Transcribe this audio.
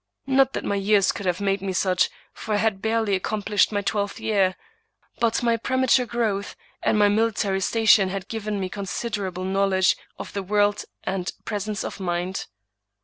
Not that my years could have made me such, for I had barely accomplished my twelfth year ; but my prema ture growth, and my military station, had given me consid erable knowledge of the world and presence of mind.